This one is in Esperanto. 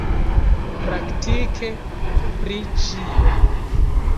Praktike pri ĉio.